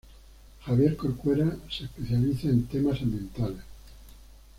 Javier Corcuera se especializa en temas ambientales.